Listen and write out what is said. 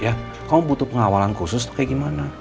ya kamu butuh pengawalan khusus tuh kayak gimana